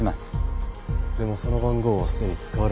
でもその番号はすでに使われていない。